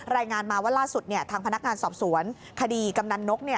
รายงานมาว่าล่าสุดทางพนักงานสอบสวนคดีกำนันนก